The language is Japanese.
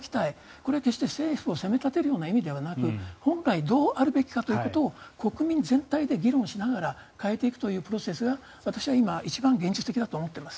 これは政府を責め立てる意味ではなく本来、どうあるべきかということを、国民全体で議論しながら変えていくというプロセスが私は今、一番現実的だと思っています。